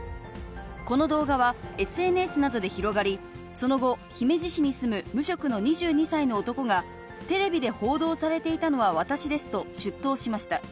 この動画はＳＮＳなどで広がり、その後、姫路市に住む無職の２２歳の男が、テレビで報道されていたのは私ですと、出頭しました。